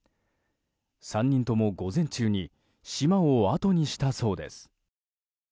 ３人とも午前中に島をあとにしたそうです。